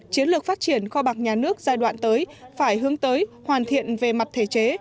chiến lược phát triển kho bạc nhà nước giai đoạn tới phải hướng tới hoàn thiện về mặt thể chế